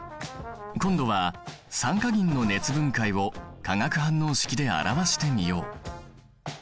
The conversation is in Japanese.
今度は酸化銀の熱分解を化学反応式で表してみよう！